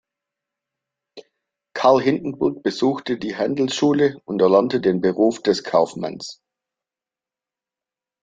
Carl Hindenburg besuchte die Handelsschule und erlernte den Beruf des Kaufmanns.